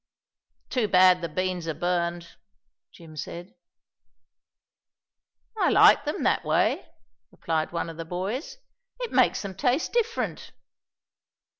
"Too bad the beans are burned," Jim said. "I like them that way," replied one of the boys. "It makes them taste different."